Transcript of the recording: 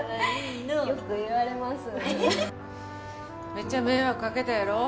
めっちゃ迷惑かけたやろ。